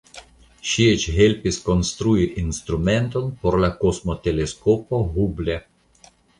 Ŝi eĉ helpis konstrui instrumenton por la Kosmoteleskopo Hubble.